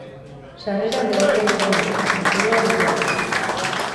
Sarrera doakoa izango da, aforoa bete arte.